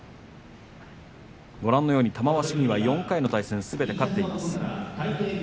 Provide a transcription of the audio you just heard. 玉鷲には４回の対戦すべて勝っています。